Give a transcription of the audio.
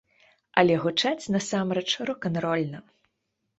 Але гучаць насамрэч рок-н-рольна!